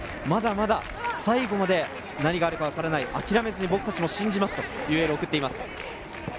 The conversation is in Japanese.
まだまだ最後まで何があるか分からない、諦めずに僕たちも信じますというエールを送っています。